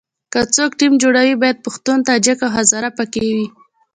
که څوک ټیم جوړوي باید پښتون، تاجک او هزاره په کې وي.